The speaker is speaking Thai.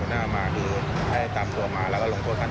เพราะว่าคู่ให้ขอบริการไม่ใช่อย่างนั้น